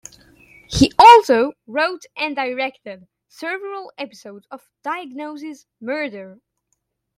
He also wrote and directed several episodes of "Diagnosis: Murder".